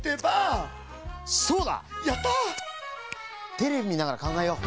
テレビみながらかんがえよう。